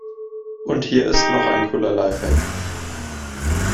Und hier ist noch ein cooler Lifehack.